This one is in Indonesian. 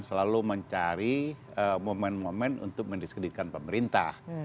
selalu mencari momen momen untuk mendiskreditkan pemerintah